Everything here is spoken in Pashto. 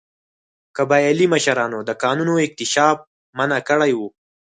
قبایلي مشرانو د کانونو اکتشاف منع کړی و.